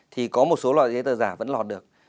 thì có một số loại giấy tờ giả vẫn lọt được